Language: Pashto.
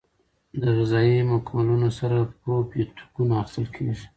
د غذایي مکملونو سره پروبیوتیکونه اخیستل کیږي.